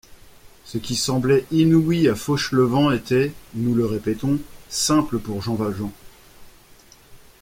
Ce qui semblait inouï à Fauchelevent était, nous le répétons, simple pour Jean Valjean.